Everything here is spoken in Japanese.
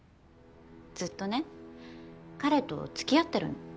ずっとね彼と付き合ってるの。